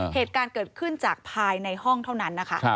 เหตุการณ์เกิดขึ้นจากภายในห้องเท่านั้นนะคะ